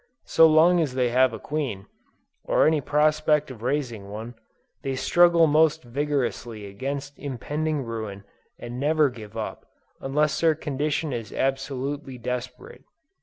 So long as they have a queen, or any prospect of raising one, they struggle most vigorously against impending ruin, and never give up, unless their condition is absolutely desperate.